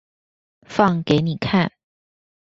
放給你看